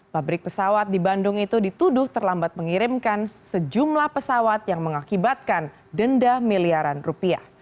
pabrik pesawat di bandung itu dituduh terlambat mengirimkan sejumlah pesawat yang mengakibatkan denda miliaran rupiah